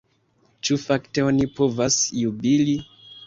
Ĉu fakte oni povas jubili?